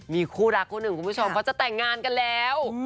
มีคู่รักคู่หนึ่งคุณผู้ชมเขาจะแต่งงานกันแล้ว